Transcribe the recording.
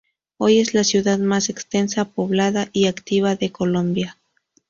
Hoy es la ciudad más extensa, poblada y activa de Colombia.